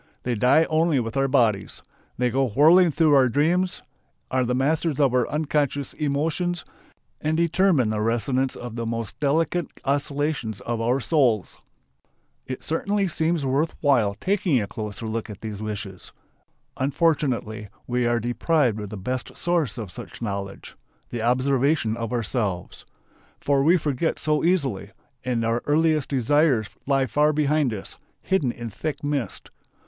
They die only with our bodies. They go whirling through our dreams, are the masters of our unconscious emotions, and determine the resonance of the most delicate oscillations of our souls. It certainly seems worth while taking a closer look at these wishes. Unfortunately we are deprived of the best source of such knowledge: the observation of ourselves. For we forget so easily, and our earliest desires lie far behind us, hidden in thick mist.